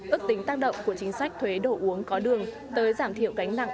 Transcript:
ước tính tác động của chính sách thuế đồ uống có đường tới giảm thiểu gánh nặng